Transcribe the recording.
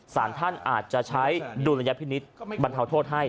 สารท่านอาจจะใช้ดุลยพินิษฐ์บรรเทาโทษให้